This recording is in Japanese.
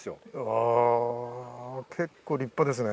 あ結構立派ですね。